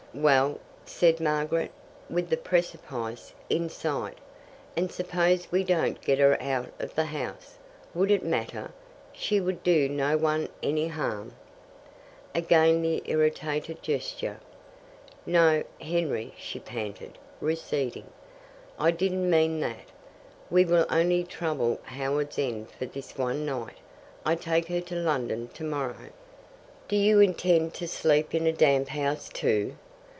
"Well?" said Margaret, with the precipice in sight. "And suppose we don't get her out of the house? Would it matter? She would do no one any harm." Again the irritated gesture. "No, Henry," she panted, receding. "I didn't mean that. We will only trouble Howards End for this one night. I take her to London tomorrow " "Do you intend to sleep in a damp house, too?"